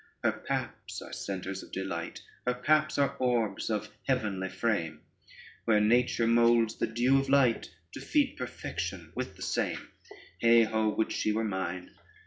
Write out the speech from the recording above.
Her paps are centres of delight, Her paps are orbs of heavenly frame, Where nature moulds the dew of light, To feed perfection with the same: Heigh ho, would she were mine.